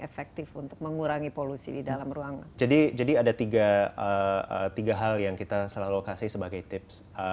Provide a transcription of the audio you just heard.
efektif untuk mengurangi polusi di dalam ruangan jadi jadi ada tiga tiga hal yang kita selalu kasih sebagai tips